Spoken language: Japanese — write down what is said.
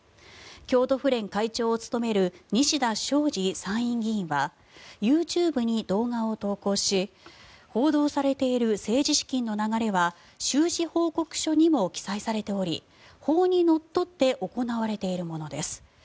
京都府連会長を務める西田昌司参院議員はＹｏｕＴｕｂｅに動画を投稿し報道されている政治資金の流れは収支報告書にも記載されており法にのっとって行われているものです。